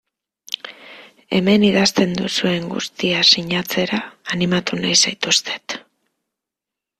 Hemen idazten duzuen guztia sinatzera animatu nahi zaituztet.